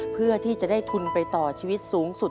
เพื่อที่จะได้ทุนไปต่อชีวิตสูงสุด